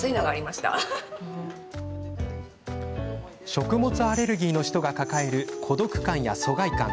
食物アレルギーの人が抱える孤独感や疎外感。